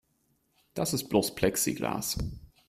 Das ist bloß Plexiglas.